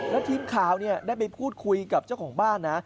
แล้วทีมข่าวได้ไปพูดคุยกับเจ้าของบ้านนะ